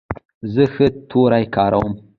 زه ښه توري کاروم.